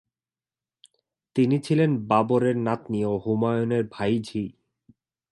তিনি ছিলেন বাবর এর নাতনি ও হুমায়ুন এর ভাইঝি।